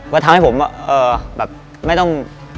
ทำให้ผมแบบไม่ต้อง